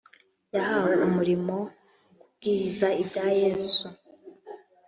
yahawe umurimo kubwiriza ibya yesu